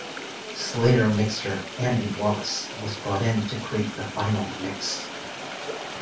Slayer mixer Andy Wallace was brought in to create the final mix.